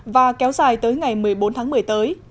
và kéo dài tới ngày một mươi bốn tháng một mươi tới